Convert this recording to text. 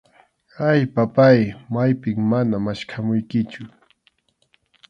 Ay, papáy, maypim mana maskhamuykichu.